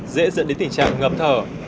dễ dẫn đến tình trạng này